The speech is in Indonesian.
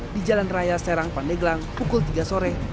di jalan raya serang pandeglang pukul tiga sore